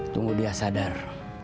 tunggu dia sadar